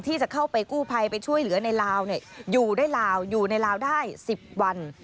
ที่จะเข้าไปกู้ภัยไปช่วยเหลือในลาวอยู่ได้ลาวอยู่ในลาวได้๑๐วัน